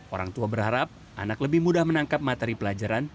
orang tua berharap anak lebih mudah menangkap materi pelajaran